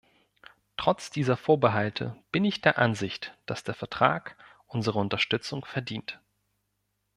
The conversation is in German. Trotz dieser Vorbehalte bin ich der Ansicht, dass der Vertrag unsere Unterstützung verdient.